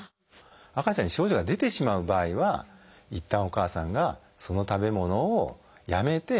赤ちゃんに症状が出てしまう場合はいったんお母さんがその食べ物をやめて授乳しなくてはいけません。